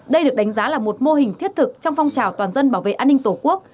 đây được đánh giá là một mô hình thiết thực trong phong trào toàn dân bảo vệ an ninh tổ quốc